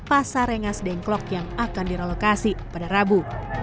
pasar rengas dengklok yang akan direlokasi pada rabu